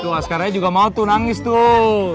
tuh askaranya juga mau tuh nangis tuh